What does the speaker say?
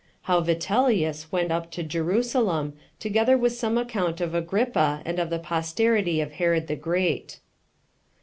How Vitellius Went Up To Jerusalem; Together With Some Account Of Agrippa And Of The Posterity Of Herod The Great.